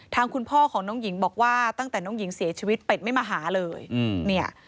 คุณพ่อของน้องหญิงบอกว่าตั้งแต่น้องหญิงเสียชีวิตเป็ดไม่มาหาเลยเนี่ย